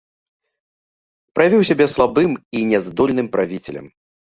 Праявіў сябе слабым і няздольным правіцелем.